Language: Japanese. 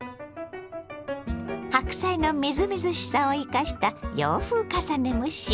白菜のみずみずしさを生かした洋風重ね蒸し。